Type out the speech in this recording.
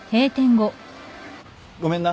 ごめんな。